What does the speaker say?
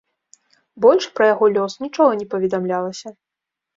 Больш пра яго лёс нічога не паведамлялася.